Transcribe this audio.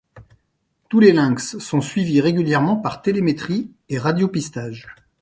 Tous les lynx sont suivis régulièrement par télémétrie et radiopistage.